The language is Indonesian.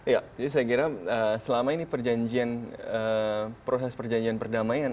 ya jadi saya kira selama ini perjanjian proses perjanjian perdamaian